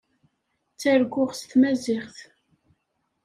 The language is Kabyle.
Ttarguɣ s tmaziɣt.